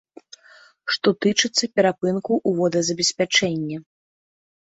Што тычыцца перапынкаў у водазабеспячэнні.